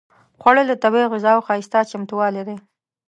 خوړل د طبیعي غذاوو ښايسته چمتووالی دی